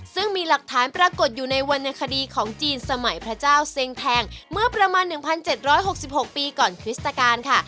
ซึ่งมีหลักฐานปรากฏอยู่ในวรรณคดีของจีนสมัยพระเจ้าเซ็งแทงเมื่อประมาณ๑๗๖๖ปีก่อนคริสตการค่ะ